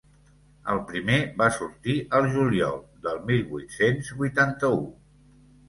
El primer va sortir al juliol del mil vuit-cents vuitanta-u.